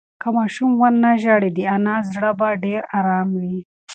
که ماشوم ونه ژاړي، د انا زړه به ډېر ارام وي.